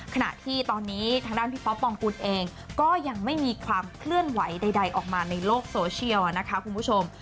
ขณะที่ตอนนี้ทางด้านพี่ป๊อปปองกุลเองก็ยังไม่มีความเคลื่อนไหวใดออกมาในโลกโซเชียลนะคะคุณผู้ชม